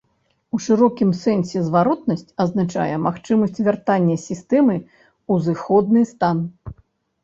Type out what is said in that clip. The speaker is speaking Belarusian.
У шырокім сэнсе зваротнасць азначае магчымасць вяртання сістэмы ў зыходны стан.